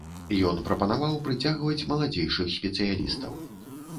Ён прапанаваў прыцягваць маладзейшых спецыялістаў.